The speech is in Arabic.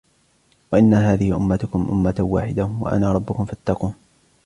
وإن هذه أمتكم أمة واحدة وأنا ربكم فاتقون